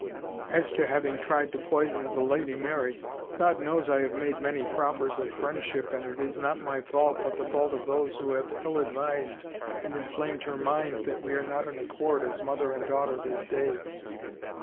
" As to having tried to poison the Lady Mary — God knows I have made many proffers of friendship and it is not my fault but the fault of those who have ill ad vised and inflamed her mind that we are not in accord as mother and daughter this day.